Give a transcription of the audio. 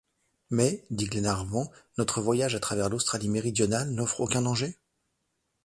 Mais, dit Glenarvan, notre voyage à travers l’Australie méridionale n’offre aucun danger?